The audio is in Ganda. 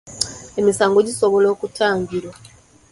Emisango gisobola okutangirwa.